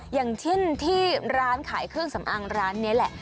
อย่างเช่นที่ร้านขายเครื่องสำอางร้านนี้แหละ